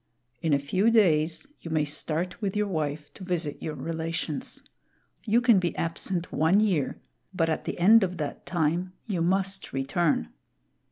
In a few days you may start with your wife to visit your relations. You can be absent one year, but at the end of that time, you must return.